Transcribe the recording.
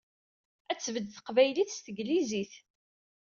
Ad tbedd teqbaylit s teglizit!